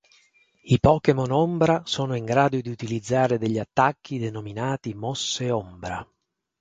I Pokémon Ombra sono in grado di utilizzare degli attacchi denominati mosse ombra.